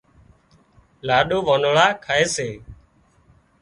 لاڏِو وانۯا کائي سي